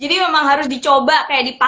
jadi memang harus dicoba